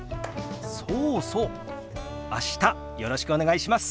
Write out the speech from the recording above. そうそう明日よろしくお願いします。